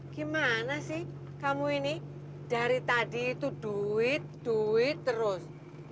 gimana sih kamu ini dari tadi itu duit duit terus